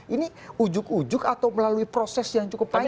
ini ujuk ujuk atau melalui proses yang cukup panjang